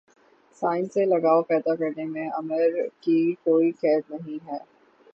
science سے لگاؤ پیدا کرنے میں عمر کی کوئی قید نہیں ہے